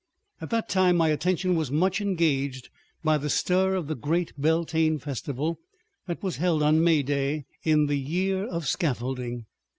At that time my attention was much engaged by the stir of the great Beltane festival that was held on May day in the Year of Scaffolding.